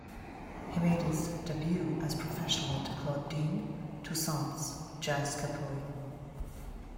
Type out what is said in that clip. He made his debut as professional with Claudin Toussaint's Jazz Capois.